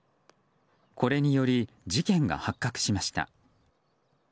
これにより事件が発覚しました。